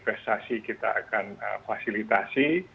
investasi kita akan fasilitasi